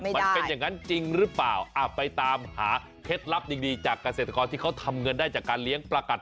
มันเป็นอย่างนั้นจริงหรือเปล่าไปตามหาเคล็ดลับดีจากเกษตรกรที่เขาทำเงินได้จากการเลี้ยงปลากัด